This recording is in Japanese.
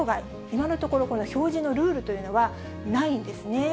今のところ、表示のルールというのはないんですね。